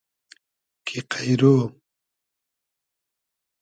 کی قݷرۉ